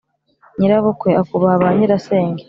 nyirabukwe, akubaha ba nyirasenge